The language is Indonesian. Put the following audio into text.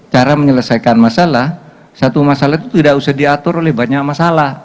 cara menyelesaikan masalah satu masalah itu tidak usah diatur oleh banyak masalah